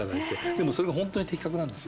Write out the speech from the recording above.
でもそれが本当に的確なんですよ。